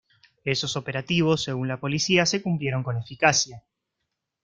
Esos operativos, según la Policía, se cumplieron con eficacia.